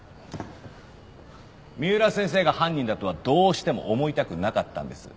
三浦先生が犯人だとはどうしても思いたくなかったんです。